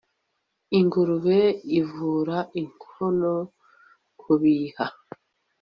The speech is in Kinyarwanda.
Ingurube ivura inkono kubiha